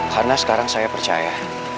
karena sekarang saya percaya